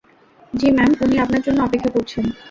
জ্বি ম্যাম, উনি আপনার জন্য অপেক্ষা করছেন।